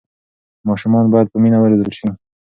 ماشومان باید په مینه وروزل شي.